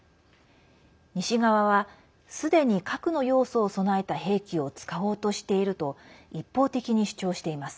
西側は、すでに核の要素を備えた兵器を使おうとしていると一方的に主張しています。